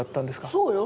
そうよ。